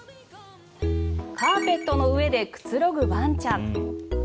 カーペットの上でくつろぐワンちゃん。